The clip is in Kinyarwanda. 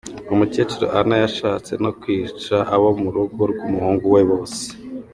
Umukecuru Anna yashatse no kwica abo mu rugo rw'umuhungu we bose.